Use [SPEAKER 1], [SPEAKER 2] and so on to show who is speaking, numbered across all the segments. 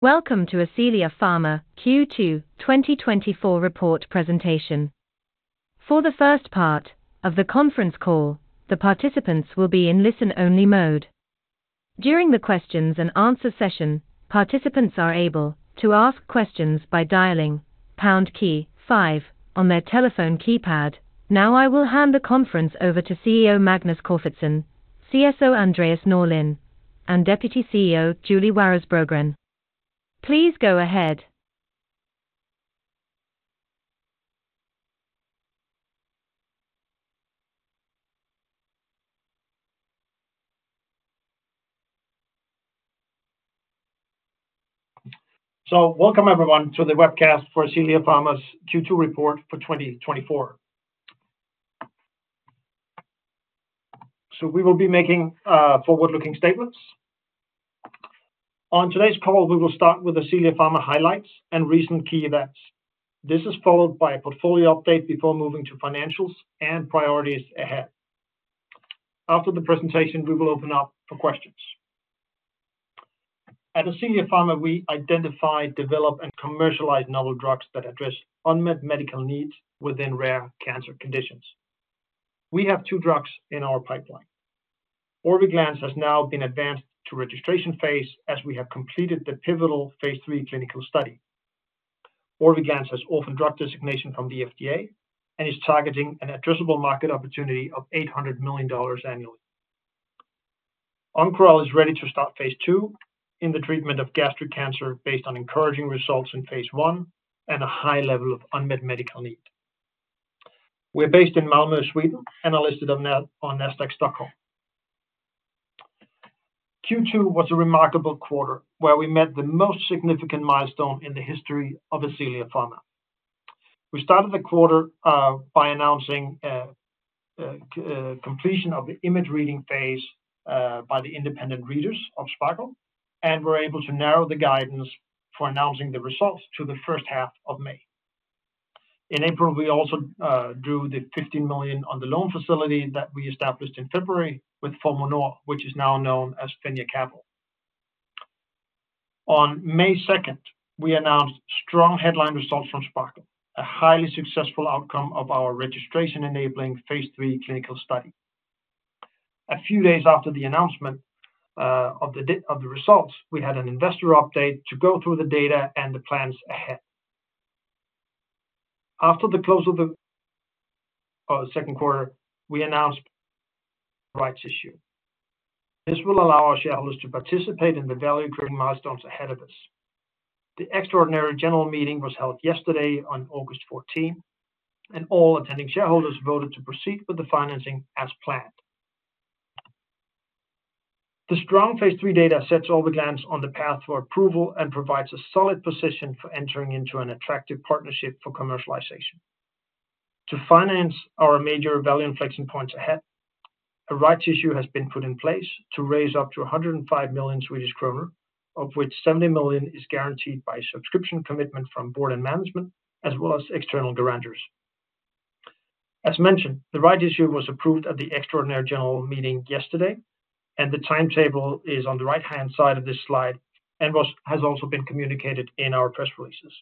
[SPEAKER 1] Welcome to Ascelia Pharma Q2 2024 Report Presentation. For the first part of the conference call, the participants will be in listen-only mode. During the questions and answer session, participants are able to ask questions by dialing pound key five on their telephone keypad. Now, I will hand the conference over to CEO Magnus Corfitzen, CSO Andreas Norlin, and Deputy CEO Julie Waras Brogren. Please go ahead.
[SPEAKER 2] Welcome, everyone, to the webcast for Ascelia Pharma's Q2 report for 2024. We will be making forward-looking statements. On today's call, we will start with Ascelia Pharma highlights and recent key events. This is followed by a portfolio update before moving to financials and priorities ahead. After the presentation, we will open up for questions. At Ascelia Pharma, we identify, develop, and commercialize novel drugs that address unmet medical needs within rare cancer conditions. We have two drugs in our pipeline. Orviglance has now been advanced to registration phase, as we have completed the pivotal Phase 3 clinical study. Orviglance has Orphan Drug Designation from the FDA and is targeting an addressable market opportunity of $800 million annually. Oncoral is ready to start Phase 2 in the treatment of gastric cancer, based on encouraging results in Phase 1 and a high level of unmet medical need. We're based in Malmö, Sweden, and are listed on Nasdaq Stockholm. Q2 was a remarkable quarter, where we met the most significant milestone in the history of Ascelia Pharma. We started the quarter by announcing completion of the image reading phase by the independent readers of SPARKLE, and we're able to narrow the guidance for announcing the results to the first half of May. In April, we also drew 15 million on the loan facility that we established in February with Formue Nord, which is now known as Fenja Capital. On May 2nd, we announced strong headline results from SPARKLE, a highly successful outcome of our registration-enabling Phase 3 clinical study. A few days after the announcement of the results, we had an investor update to go through the data and the plans ahead. After the close of the second quarter, we announced rights issue. This will allow our shareholders to participate in the value-creating milestones ahead of us. The extraordinary general meeting was held yesterday on August 14, and all attending shareholders voted to proceed with the financing as planned. The strong Phase 3 data sets Orviglance on the path for approval and provides a solid position for entering into an attractive partnership for commercialization. To finance our major value inflection points ahead, a rights issue has been put in place to raise up to 105 million Swedish kronor, of which 70 million is guaranteed by subscription commitment from board and management, as well as external grantors. As mentioned, the rights issue was approved at the extraordinary general meeting yesterday, and the timetable is on the right-hand side of this slide and has also been communicated in our press releases.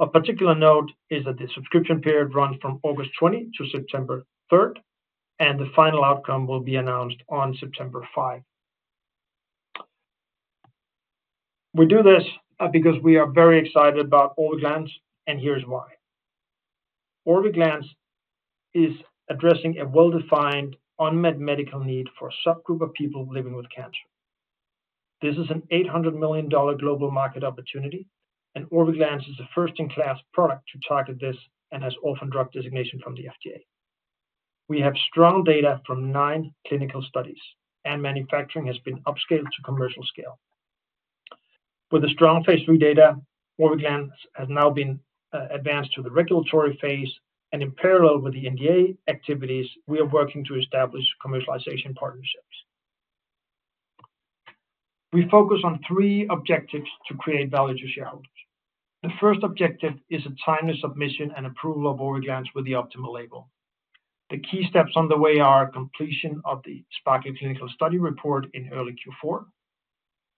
[SPEAKER 2] A particular note is that the subscription period runs from August 20 to September 3, and the final outcome will be announced on September 5. We do this, because we are very excited about Orviglance, and here's why: Orviglance is addressing a well-defined, unmet medical need for a subgroup of people living with cancer. This is a $800 million global market opportunity, and Orviglance is a first-in-class product to target this and has Orphan Drug Designation from the FDA. We have strong data from nine clinical studies, and manufacturing has been upscaled to commercial scale. With the strong Phase 3 data, Orviglance has now been advanced to the regulatory phase, and in parallel with the NDA activities, we are working to establish commercialization partnerships. We focus on three objectives to create value to shareholders. The first objective is a timely submission and approval of Orviglance with the optimal label. The key steps on the way are completion of the SPARKLE clinical study report in early Q4,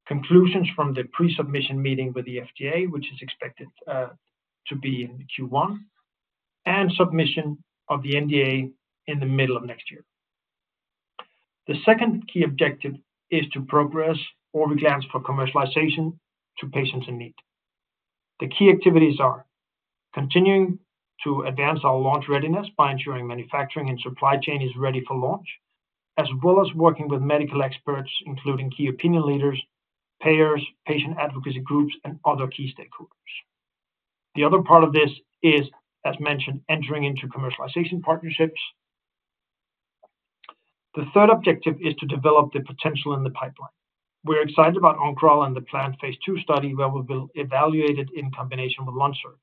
[SPEAKER 2] conclusions from the pre-submission meeting with the FDA, which is expected to be in Q1, and submission of the NDA in the middle of next year. The second key objective is to progress Orviglance for commercialization to patients in need. The key activities are continuing to advance our launch readiness by ensuring manufacturing and supply chain is ready for launch, as well as working with medical experts, including key opinion leaders, payers, patient advocacy groups, and other key stakeholders. The other part of this is, as mentioned, entering into commercialization partnerships. The third objective is to develop the potential in the pipeline. We're excited about Oncoral and the planned Phase 2 study, where we'll be evaluated in combination with lanreotide.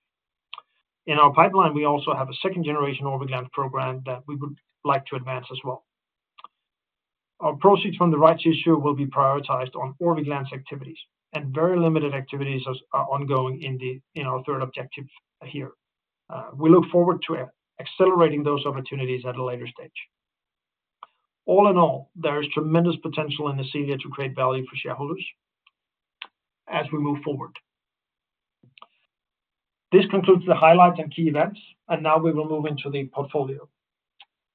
[SPEAKER 2] In our pipeline, we also have a second-generation Orviglance program that we would like to advance as well. Our proceeds from the rights issue will be prioritized on Orviglance activities, and very limited activities are ongoing in our third objective here. We look forward to accelerating those opportunities at a later stage. All in all, there is tremendous potential in Ascelia to create value for shareholders as we move forward. This concludes the highlights and key events, and now we will move into the portfolio.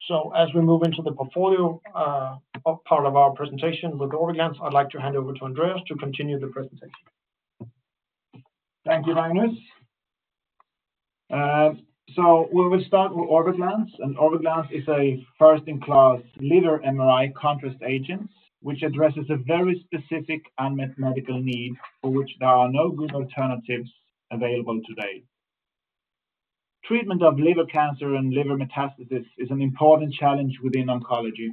[SPEAKER 2] So as we move into the portfolio, part of our presentation with Orviglance, I'd like to hand over to Andreas to continue the presentation.
[SPEAKER 3] Thank you, Magnus. So we will start with Orviglance. Orviglance is a first-in-class lead MRI contrast agent, which addresses a very specific unmet medical need, for which there are no good alternatives available today. Treatment of liver cancer and liver metastasis is an important challenge within oncology.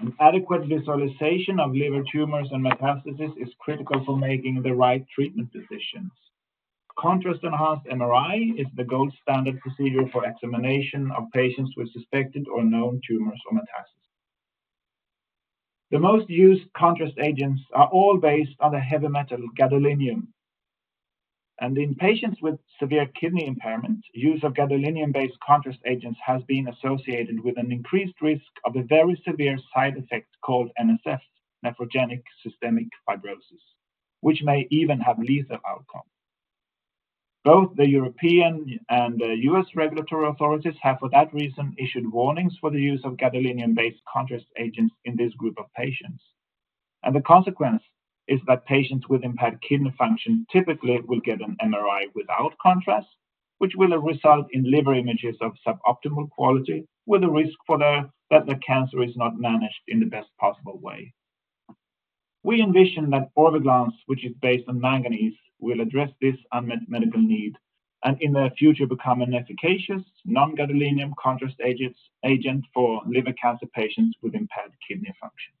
[SPEAKER 3] An adequate visualization of liver tumors and metastasis is critical for making the right treatment decisions. Contrast-enhanced MRI is the gold standard procedure for examination of patients with suspected or known tumors or metastasis. The most used contrast agents are all based on a heavy metal gadolinium, and in patients with severe kidney impairment, use of gadolinium-based contrast agents has been associated with an increased risk of a very severe side effect called NSF, Nephrogenic Systemic Fibrosis, which may even have lethal outcome. Both the European and the U.S. regulatory authorities have, for that reason, issued warnings for the use of gadolinium-based contrast agents in this group of patients. The consequence is that patients with impaired kidney function typically will get an MRI without contrast, which will result in liver images of suboptimal quality, with a risk that the cancer is not managed in the best possible way. We envision that Orviglance, which is based on manganese, will address this unmet medical need, and in the future, become an efficacious non-gadolinium contrast agent for liver cancer patients with impaired kidney function.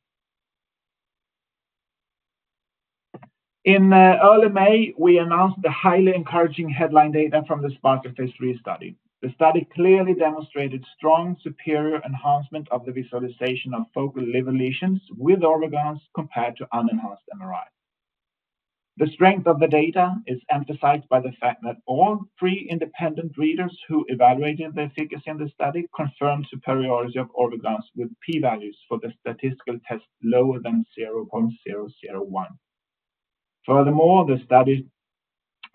[SPEAKER 3] In early May, we announced the highly encouraging headline data from the SPARKLE Phase 3 study. The study clearly demonstrated strong, superior enhancement of the visualization of focal liver lesions with Orviglance compared to unenhanced MRI. The strength of the data is emphasized by the fact that all three independent readers who evaluated the figures in the study confirmed superiority of Orviglance, with p-values for the statistical test lower than 0.001. Furthermore, the study,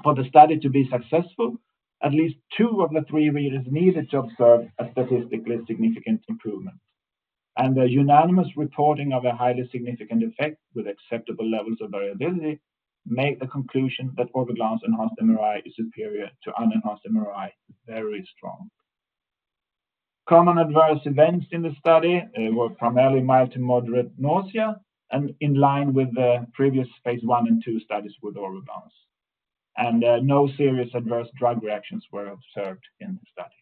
[SPEAKER 3] for the study to be successful, at least two of the three readers needed to observe a statistically significant improvement. The unanimous reporting of a highly significant effect with acceptable levels of variability make the conclusion that Orviglance-enhanced MRI is superior to unenhanced MRI, very strong. Common adverse events in the study were primarily mild to moderate nausea and in line with the previous Phase 1 and 2 studies with Orviglance. No serious adverse drug reactions were observed in the study.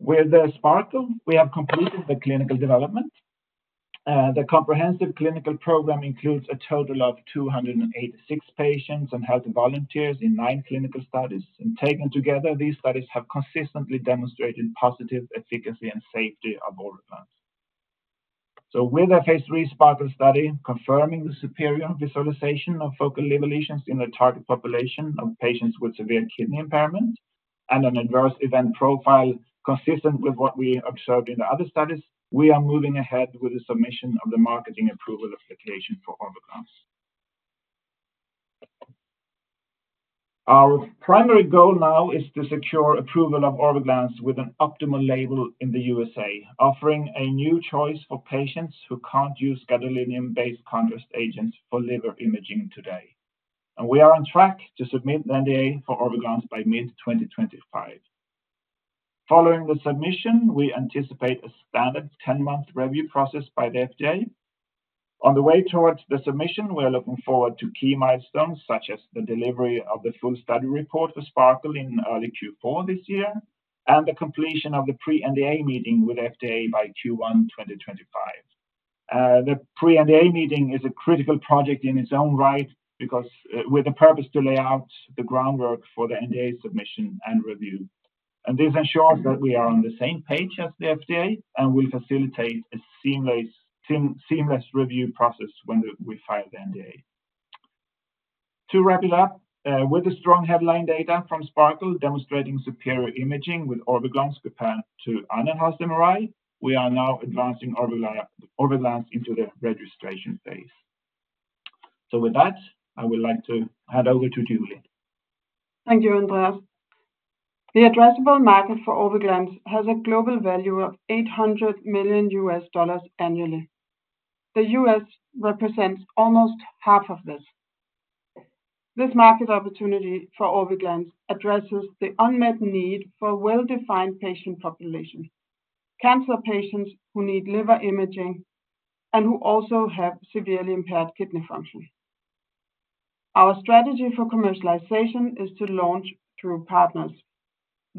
[SPEAKER 3] With the SPARKLE, we have completed the clinical development. The comprehensive clinical program includes a total of 286 patients and healthy volunteers in nine clinical studies. Taken together, these studies have consistently demonstrated positive efficacy and safety of Orviglance. With the Phase 3 SPARKLE study confirming the superior visualization of focal liver lesions in a target population of patients with severe kidney impairment, and an adverse event profile consistent with what we observed in the other studies, we are moving ahead with the submission of the marketing approval application for Orviglance. Our primary goal now is to secure approval of Orviglance with an optimal label in the U.S.A., offering a new choice for patients who can't use gadolinium-based contrast agents for liver imaging today. We are on track to submit an NDA for Orviglance by mid-2025. Following the submission, we anticipate a standard ten-month review process by the FDA. On the way towards the submission, we are looking forward to key milestones, such as the delivery of the full study report for SPARKLE in early Q4 this year, and the completion of the pre-NDA meeting with FDA by Q1 2025. The pre-NDA meeting is a critical project in its own right, because with a purpose to lay out the groundwork for the NDA submission and review. And this ensures that we are on the same page as the FDA, and will facilitate a seamless review process when we file the NDA. To wrap it up, with the strong headline data from SPARKLE demonstrating superior imaging with Orviglance compared to unenhanced MRI, we are now advancing Orviglance into the registration phase. With that, I would like to hand over to Julie.
[SPEAKER 4] Thank you, Andreas. The addressable market for Orviglance has a global value of $800 million annually. The U.S. represents almost half of this. This market opportunity for Orviglance addresses the unmet need for a well-defined patient population, cancer patients who need liver imaging and who also have severely impaired kidney function. Our strategy for commercialization is to launch through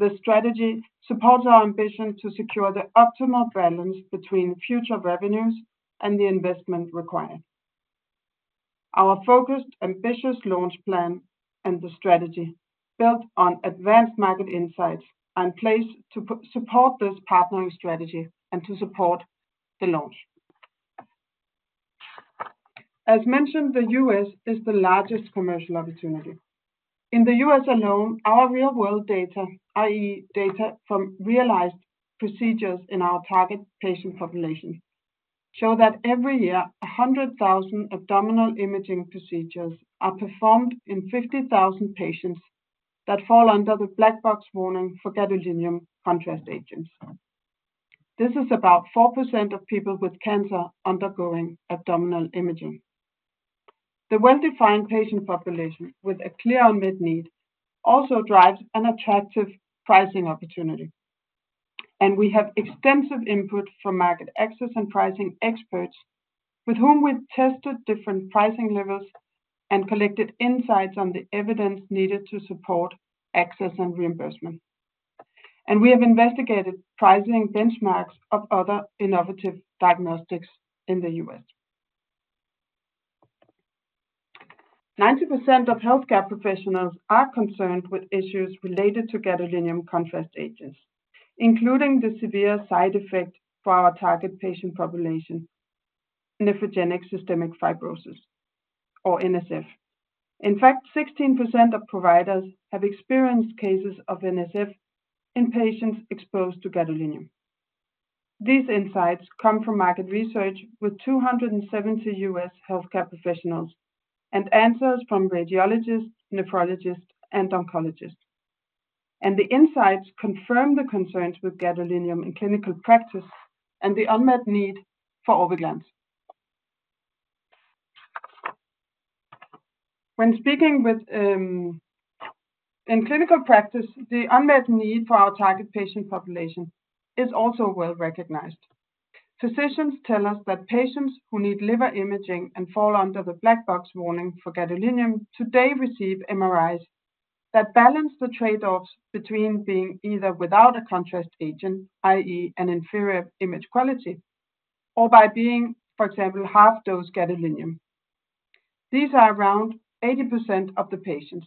[SPEAKER 4] partners. This strategy supports our ambition to secure the optimal balance between future revenues and the investment required. Our focused, ambitious launch plan and the strategy built on advanced market insights are in place to support this partnering strategy and to support the launch. As mentioned, the U.S. is the largest commercial opportunity. In the U.S. alone, our real-world data, i.e., data from realized procedures in our target patient population, show that every year, 100,000 abdominal imaging procedures are performed in 50,000 patients that fall under the black box warning for gadolinium contrast agents. This is about 4% of people with cancer undergoing abdominal imaging. The well-defined patient population with a clear unmet need also drives an attractive pricing opportunity. We have extensive input from market access and pricing experts, with whom we've tested different pricing levels and collected insights on the evidence needed to support access and reimbursement. We have investigated pricing benchmarks of other innovative diagnostics in the U.S. 90% of healthcare professionals are concerned with issues related to gadolinium contrast agents, including the severe side effect for our target patient population, nephrogenic systemic fibrosis or NSF. In fact, 16% of providers have experienced cases of NSF in patients exposed to gadolinium. These insights come from market research with 270 U.S. healthcare professionals, and answers from radiologists, nephrologists, and oncologists. The insights confirm the concerns with gadolinium in clinical practice and the unmet need for Orviglance. When speaking with, In clinical practice, the unmet need for our target patient population is also well-recognized. Physicians tell us that patients who need liver imaging and fall under the black box warning for gadolinium, today receive MRIs that balance the trade-offs between being either without a contrast agent, i.e., an inferior image quality, or by being, for example, half-dose gadolinium. These are around 80% of the patients,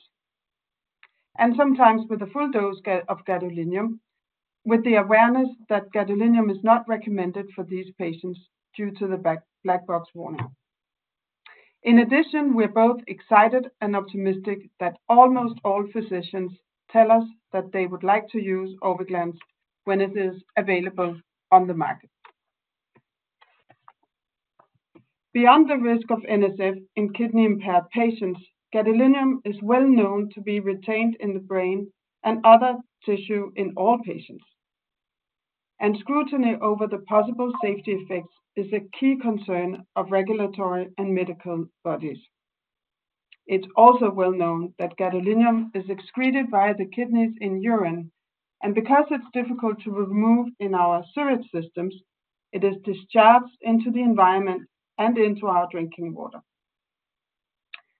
[SPEAKER 4] and sometimes with a full dose of gadolinium, with the awareness that gadolinium is not recommended for these patients due to the black box warning. In addition, we're both excited and optimistic that almost all physicians tell us that they would like to use Orviglance when it is available on the market. Beyond the risk of NSF in kidney-impaired patients, gadolinium is well known to be retained in the brain and other tissue in all patients, and scrutiny over the possible safety effects is a key concern of regulatory and medical bodies. It's also well known that gadolinium is excreted via the kidneys in urine, and because it's difficult to remove in our sewage systems, it is discharged into the environment and into our drinking water.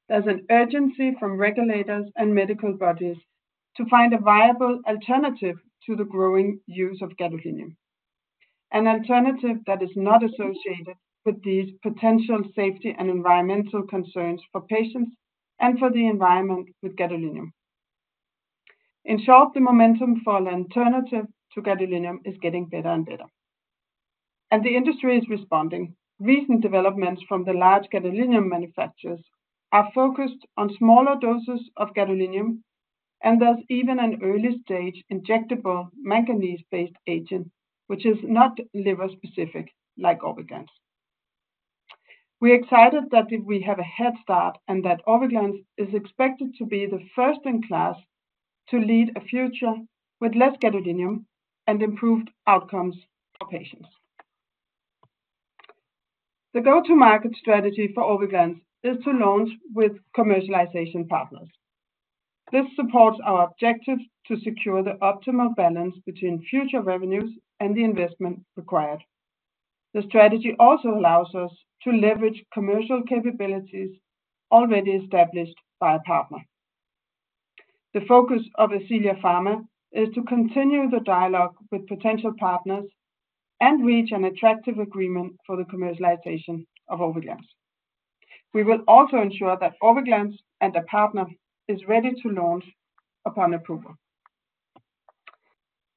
[SPEAKER 4] There's an urgency from regulators and medical bodies to find a viable alternative to the growing use of gadolinium. An alternative that is not associated with these potential safety and environmental concerns for patients, and for the environment with gadolinium. In short, the momentum for an alternative to gadolinium is getting better and better, and the industry is responding. Recent developments from the large gadolinium manufacturers are focused on smaller doses of gadolinium, and there's even an early-stage injectable manganese-based agent, which is not liver specific, like Orviglance. We're excited that we have a head start and that Orviglance is expected to be the first in class to lead a future with less gadolinium and improved outcomes for patients. The go-to-market strategy for Orviglance is to launch with commercialization partners. This supports our objective to secure the optimal balance between future revenues and the investment required. The strategy also allows us to leverage commercial capabilities already established by a partner. The focus of Ascelia Pharma is to continue the dialogue with potential partners and reach an attractive agreement for the commercialization of Orviglance. We will also ensure that Orviglance and the partner is ready to launch upon approval.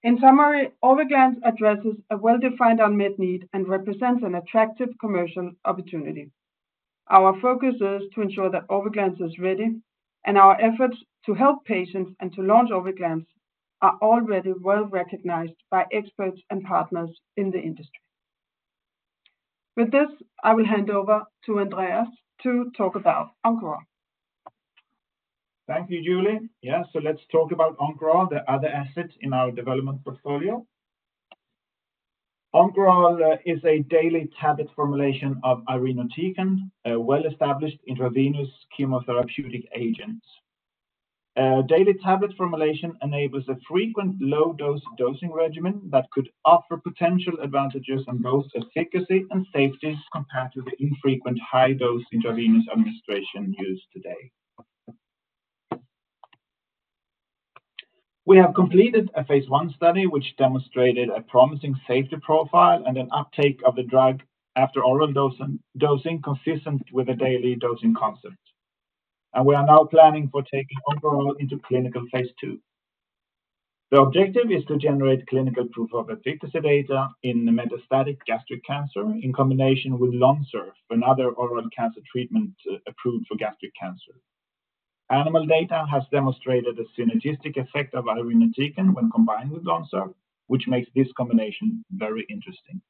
[SPEAKER 4] In summary, Orviglance addresses a well-defined unmet need and represents an attractive commercial opportunity. Our focus is to ensure that Orviglance is ready, and our efforts to help patients and to launch Orviglance are already well recognized by experts and partners in the industry. With this, I will hand over to Andreas to talk about Oncoral.
[SPEAKER 3] Thank you, Julie. Yeah, so let's talk about Oncoral, the other asset in our development portfolio. Oncoral is a daily tablet formulation of irinotecan, a well-established intravenous chemotherapeutic agent. Daily tablet formulation enables a frequent low-dose dosing regimen that could offer potential advantages on both efficacy and safety, compared to the infrequent high-dose intravenous administration used today. We have completed a Phase 1 study, which demonstrated a promising safety profile and an uptake of the drug after oral dosing, dosing consistent with a daily dosing concept. We are now planning for taking Oncoral into clinical Phase 2. The objective is to generate clinical proof of efficacy data in the metastatic gastric cancer in combination with Lonsurf, another oral cancer treatment approved for gastric cancer. Animal data has demonstrated a synergistic effect of irinotecan when combined with Lonsurf, which makes this combination very interesting.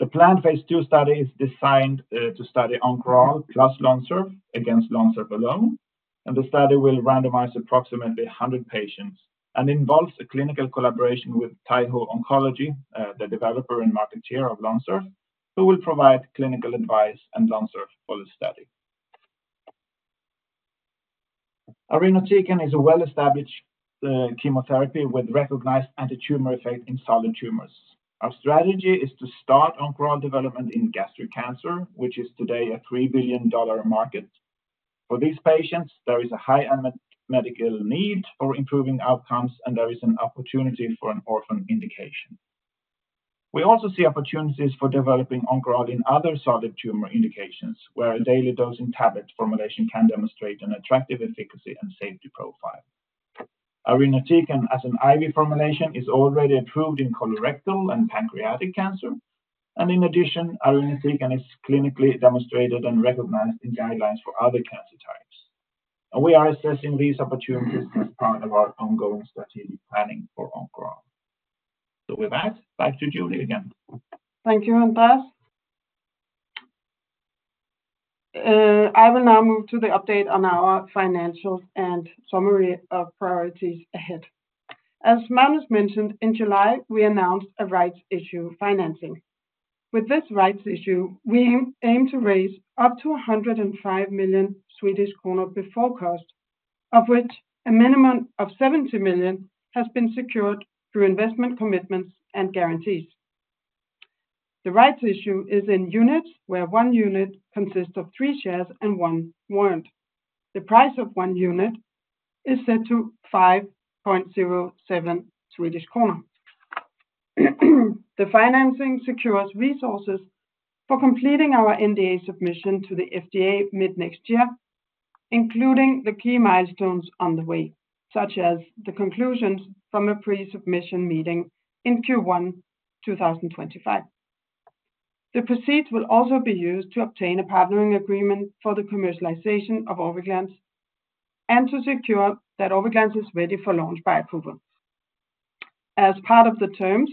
[SPEAKER 3] The planned Phase 2 study is designed to study Oncoral plus Lonsurf against Lonsurf alone, and the study will randomize approximately 100 patients, and involves a clinical collaboration with Taiho Oncology, the developer and marketer of Lonsurf, who will provide clinical advice and Lonsurf for the study. Irinotecan is a well-established chemotherapy with recognized anti-tumor effect in solid tumors. Our strategy is to start Oncoral development in gastric cancer, which is today a $3 billion market. For these patients, there is a high unmet medical need for improving outcomes, and there is an opportunity for an orphan indication. We also see opportunities for developing Oncoral in other solid tumor indications, where a daily dosing tablet formulation can demonstrate an attractive efficacy and safety profile. Irinotecan, as an IV formulation, is already approved in colorectal and pancreatic cancer, and in addition, irinotecan is clinically demonstrated and recognized in guidelines for other cancer types. We are assessing these opportunities as part of our ongoing strategic planning for Oncoral. With that, back to Julie again.
[SPEAKER 4] Thank you, Andreas. I will now move to the update on our financials and summary of priorities ahead. As Magnus mentioned, in July, we announced a rights issue financing. With this rights issue, we aim to raise up to 105 million Swedish kronor before cost, of which a minimum of 70 million has been secured through investment commitments and guarantees. The rights issue is in units, where 1 unit consists of 3 shares and 1 warrant. The price of 1 unit is set to 5.07 Swedish kronor. The financing secures resources for completing our NDA submission to the FDA mid-next year, including the key milestones on the way, such as the conclusions from a pre-submission meeting in Q1 2025. The proceeds will also be used to obtain a partnering agreement for the commercialization of Orviglance, and to secure that Orviglance is ready for launch by approval. As part of the terms,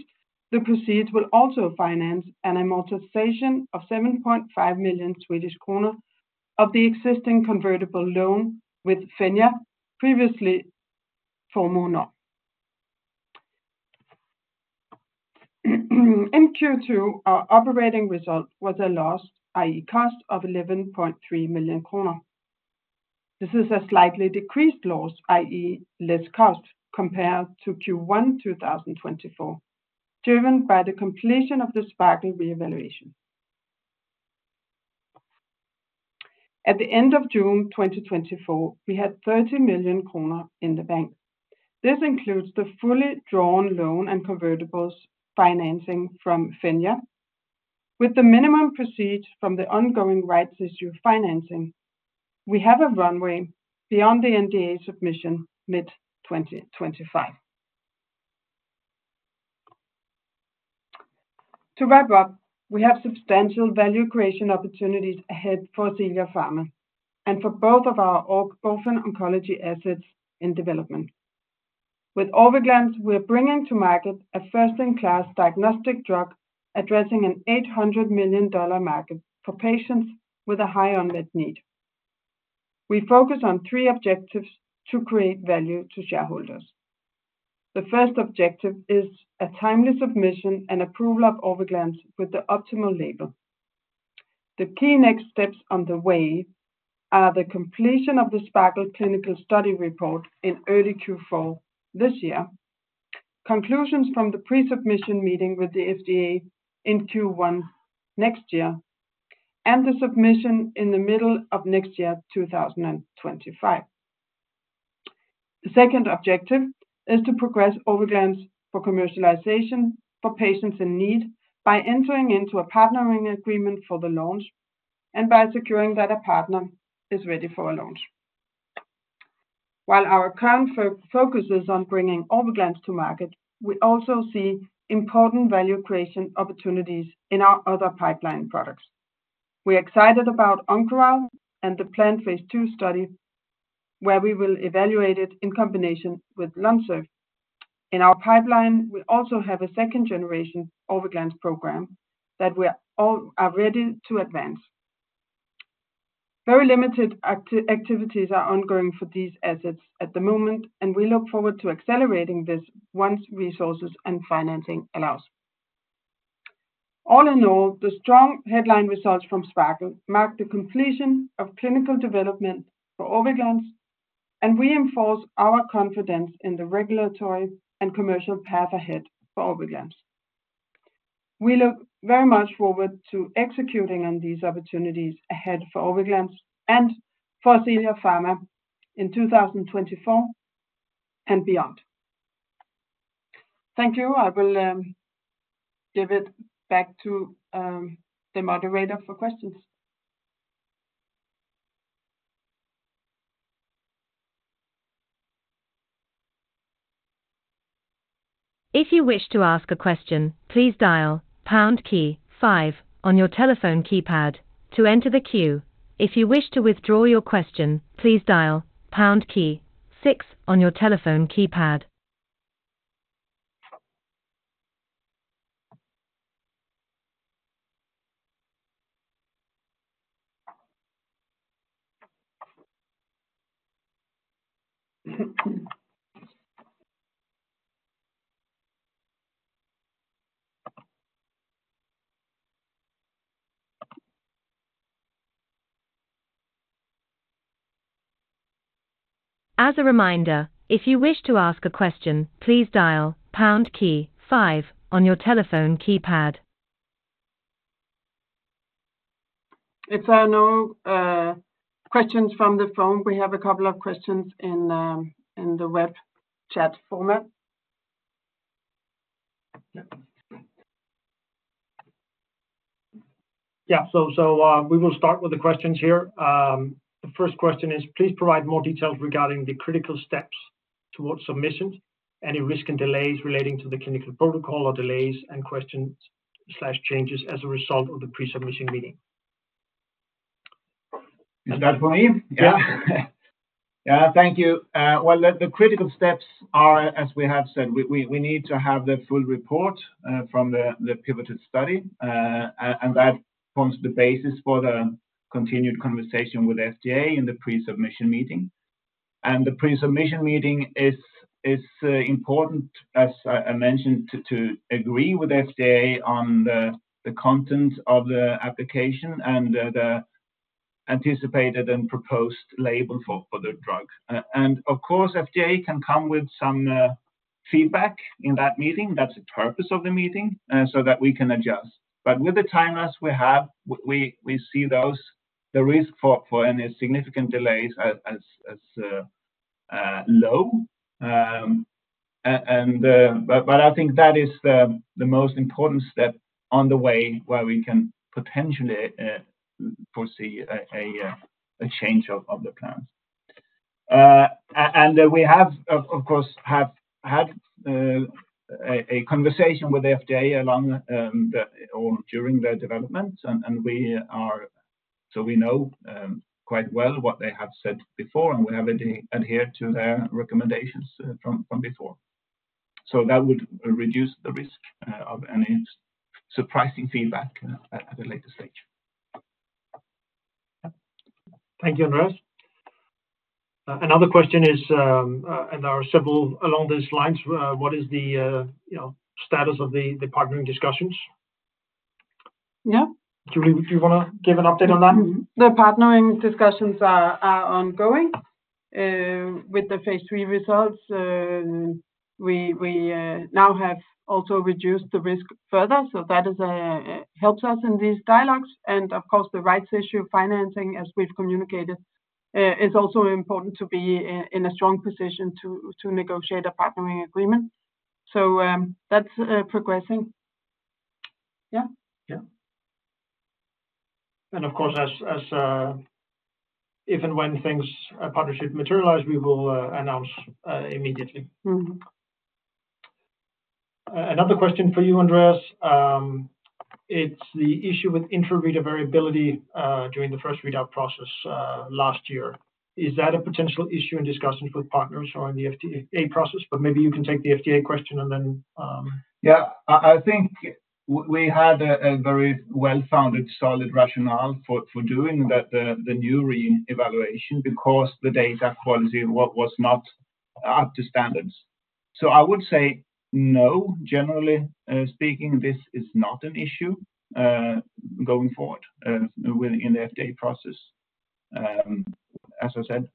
[SPEAKER 4] the proceeds will also finance an amortization of 7.5 million Swedish kronor of the existing convertible loan with Fenja, previously Formue Nord. In Q2, our operating result was a loss, i.e., cost of 11.3 million kronor. This is a slightly decreased loss, i.e., less cost compared to Q1 2024, driven by the completion of the SPARKLE reevaluation. At the end of June 2024, we had 30 million kronor in the bank. This includes the fully drawn loan and convertibles financing from Fenja. With the minimum proceeds from the ongoing rights issue financing, we have a runway beyond the NDA submission mid-2025. To wrap up, we have substantial value creation opportunities ahead for Ascelia Pharma and for both of our orphan oncology assets in development. With Orviglance, we're bringing to market a first-in-class diagnostic drug, addressing an $800 million market for patients with a high unmet need. We focus on three objectives to create value to shareholders. The first objective is a timely submission and approval of Orviglance with the optimal label. The key next steps on the way are the completion of the SPARKLE clinical study report in early Q4 this year, conclusions from the pre-submission meeting with the FDA in Q1 next year, and the submission in the middle of next year, 2025. The second objective is to progress Orviglance for commercialization for patients in need by entering into a partnering agreement for the launch and by securing that a partner is ready for a launch. While our current focus is on bringing Orviglance to market, we also see important value creation opportunities in our other pipeline products. We're excited about Oncoral and the planned Phase 2 study, where we will evaluate it in combination with Lonsurf. In our pipeline, we also have a second-generation Orviglance program that we are ready to advance. Very limited activities are ongoing for these assets at the moment, and we look forward to accelerating this once resources and financing allows. All in all, the strong headline results from SPARKLE mark the completion of clinical development for Orviglance, and reinforce our confidence in the regulatory and commercial path ahead for Orviglance. We look very much forward to executing on these opportunities ahead for Orviglance and for Ascelia Pharma in 2024 and beyond. Thank you. I will give it back to the moderator for questions.
[SPEAKER 1] If you wish to ask a question, please dial pound key five on your telephone keypad to enter the queue. If you wish to withdraw your question, please dial pound key six on your telephone keypad. As a reminder, if you wish to ask a question, please dial pound key five on your telephone keypad.
[SPEAKER 4] If there are no questions from the phone, we have a couple of questions in the web chat format.
[SPEAKER 2] Yeah. So, we will start with the questions here. The first question is, please provide more details regarding the critical steps towards submission, any risk and delays relating to the clinical protocol, or delays and questions/changes as a result of the pre-submission meeting.
[SPEAKER 3] Is that for me?
[SPEAKER 2] Yeah.
[SPEAKER 3] Yeah. Thank you. Well, the critical steps are, as we have said, we need to have the full report from the pivotal study. And that forms the basis for the continued conversation with FDA in the pre-submission meeting. And the pre-submission meeting is important, as I mentioned, to agree with FDA on the content of the application and the anticipated and proposed label for the drug. And of course, FDA can come with some feedback in that meeting. That's the purpose of the meeting, so that we can adjust. But with the timelines we have, we see the risk for any significant delays as low. And... But I think that is the most important step on the way, where we can potentially foresee a change of the plans. And we have of course had a conversation with the FDA along or during the development, and so we know quite well what they have said before, and we have adhered to their recommendations from before. So that would reduce the risk of any surprising feedback at a later stage.
[SPEAKER 2] Thank you, Andreas. Another question is, and there are several along these lines, what is the, you know, status of the, the partnering discussions?
[SPEAKER 4] Yeah.
[SPEAKER 2] Julie, do you wanna give an update on that?
[SPEAKER 4] The partnering discussions are ongoing. With the Phase 3 results, we now have also reduced the risk further, so that is helps us in these dialogues. And of course, the rights issue financing, as we've communicated, is also important to be in a strong position to negotiate a partnering agreement. So, that's progressing. Yeah.
[SPEAKER 2] Yeah. Of course, as if and when a partnership materialize, we will announce immediately.
[SPEAKER 4] Mm-hmm.
[SPEAKER 2] Another question for you, Andreas. It's the issue with intra-reader variability during the first readout process last year. Is that a potential issue in discussions with partners or in the FDA process? But maybe you can take the FDA question and then,
[SPEAKER 3] Yeah. I think we had a very well-founded, solid rationale for doing the new re-evaluation because the data quality was not up to standards. So I would say no. Generally speaking, this is not an issue going forward within the FDA process. As I said,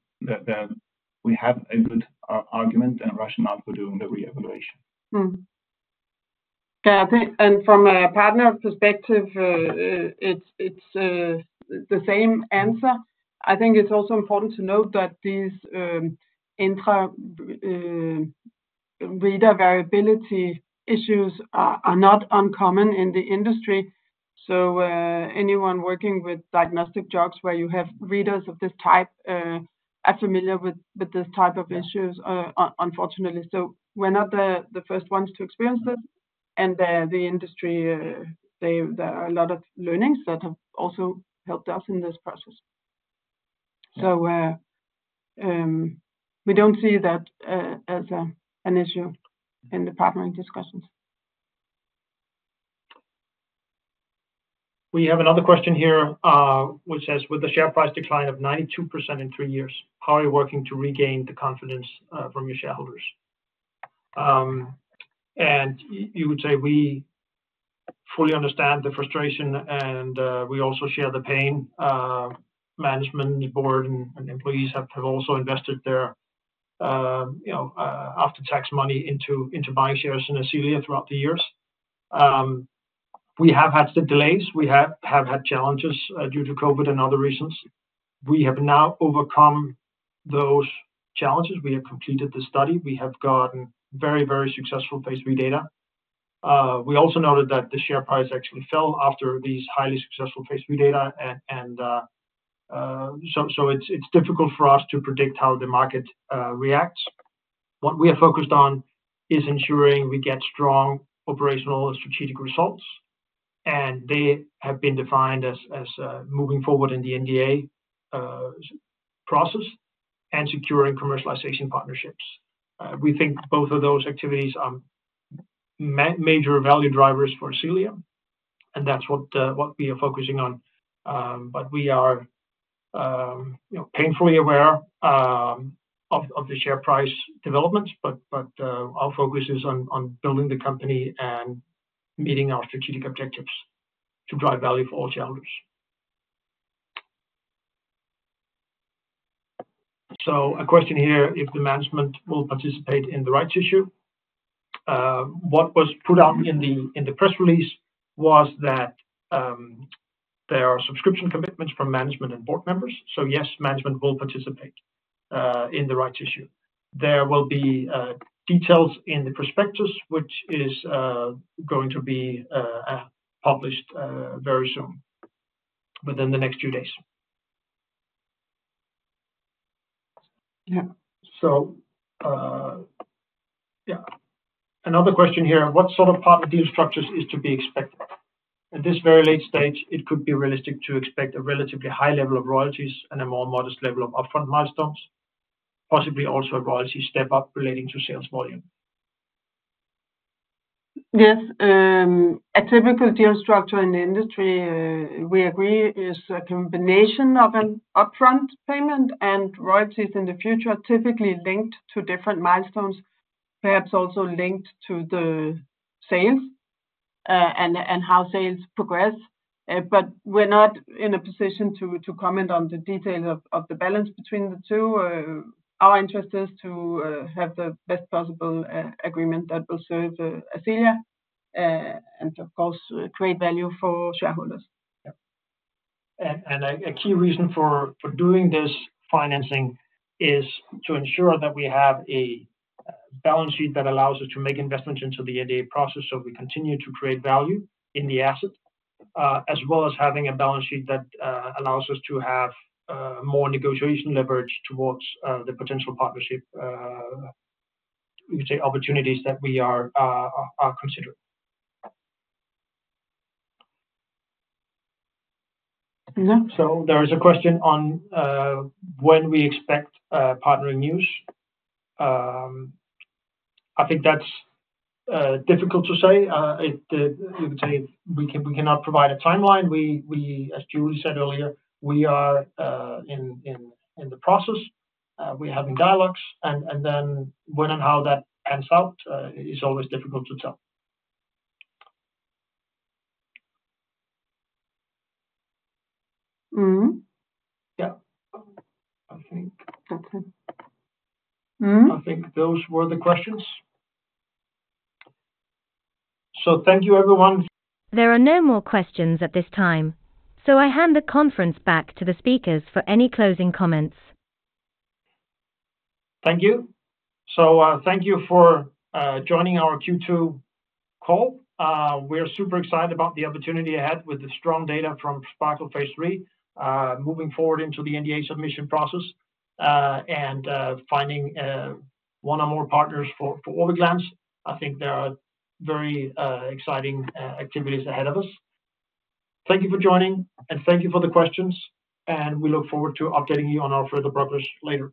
[SPEAKER 3] we have a good argument and rationale for doing the re-evaluation.
[SPEAKER 4] Mm-hmm. Yeah, I think, and from a partner perspective, it's the same answer. I think it's also important to note that these intra-reader variability issues are not uncommon in the industry. So, anyone working with diagnostic drugs, where you have readers of this type, are familiar with this type of issues, unfortunately. So we're not the first ones to experience this, and the industry, there are a lot of learnings that have also helped us in this process. So, we don't see that as an issue in the partnering discussions.
[SPEAKER 2] We have another question here, which says: With the share price decline of 92% in three years, how are you working to regain the confidence from your shareholders? And you would say we fully understand the frustration, and we also share the pain. Management and the board and employees have also invested their, you know, after-tax money into buying shares in Ascelia throughout the years. We have had the delays, we have had challenges due to COVID and other reasons. We have now overcome those challenges. We have completed the study. We have gotten very, very successful Phase 3 data. We also noted that the share price actually fell after these highly successful Phase 3 data, and so it's difficult for us to predict how the market reacts. What we are focused on is ensuring we get strong operational and strategic results, and they have been defined as moving forward in the NDA process and securing commercialization partnerships. We think both of those activities are major value drivers for Ascelia, and that's what we are focusing on. But we are, you know, painfully aware of the share price developments, but our focus is on building the company and meeting our strategic objectives to drive value for all shareholders. So a question here, if the management will participate in the rights issue? What was put out in the press release was that there are subscription commitments from management and board members. So yes, management will participate in the rights issue. There will be details in the prospectus, which is going to be published very soon, within the next few days.
[SPEAKER 4] Yeah.
[SPEAKER 2] Another question here, what sort of partner deal structures is to be expected? At this very late stage, it could be realistic to expect a relatively high level of royalties and a more modest level of upfront milestones, possibly also a royalty step up relating to sales volume.
[SPEAKER 4] Yes, a typical deal structure in the industry, we agree, is a combination of an upfront payment and royalties in the future, typically linked to different milestones, perhaps also linked to the sales, and how sales progress. But we're not in a position to comment on the details of the balance between the two. Our interest is to have the best possible agreement that will serve Ascelia, and of course, create value for shareholders.
[SPEAKER 2] Yeah. A key reason for doing this financing is to ensure that we have a balance sheet that allows us to make investments into the NDA process, so we continue to create value in the asset, as well as having a balance sheet that allows us to have more negotiation leverage towards the potential partnership opportunities that we are considering.
[SPEAKER 4] Yeah.
[SPEAKER 2] There is a question on when we expect partnering news. I think that's difficult to say. We would say we cannot provide a timeline. We, as Julie said earlier, we are in the process. We're having dialogues, and then when and how that pans out is always difficult to tell.
[SPEAKER 4] Mm-hmm.
[SPEAKER 2] Yeah. I think-
[SPEAKER 4] Okay. Mm-hmm.
[SPEAKER 2] I think those were the questions. So thank you, everyone.
[SPEAKER 1] There are no more questions at this time, so I hand the conference back to the speakers for any closing comments.
[SPEAKER 2] Thank you. So, thank you for joining our Q2 call. We're super excited about the opportunity ahead with the strong data from SPARKLE Phase 3, moving forward into the NDA submission process, and finding one or more partners for Orviglance. I think there are very exciting activities ahead of us. Thank you for joining, and thank you for the questions, and we look forward to updating you on our further progress later.